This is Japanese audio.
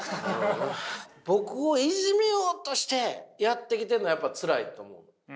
僕をいじめようとしてやってきてるのはやっぱつらいと思う。